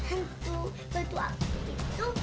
hantu batu ake itu